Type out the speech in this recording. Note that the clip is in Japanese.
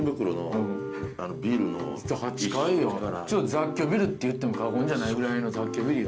雑居ビルって言っても過言じゃないぐらいの雑居ビルよ。